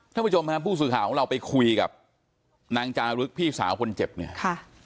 ท่านผู้ชมครับผู้สื่อข่าวของเราไปคุยกับนางจารึกพี่สาวคนเจ็บเนี่ยค่ะ